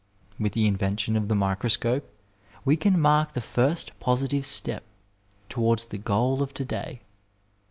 With the invention of the miscroscope we can mark the first positive step towards the goal of to day.